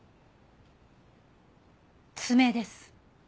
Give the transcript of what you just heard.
爪です。